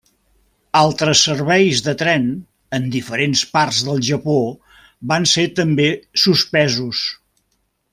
Altres serveis de tren en diferents parts del Japó van ser també suspesos.